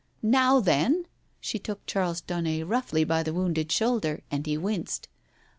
Now then !" She took Charles Daunet roughly by the wounded shoulder, and he winced.